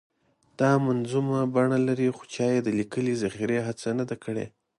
دا منظومه بڼه لري خو چا یې د لیکلې ذخیرې هڅه نه ده کړې.